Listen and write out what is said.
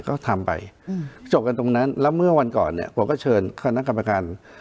ก็ทำไปจบกันตรงนั้นแล้วเมื่อวันก่อนเนี่ยผมก็เชิญคณะกรรมการ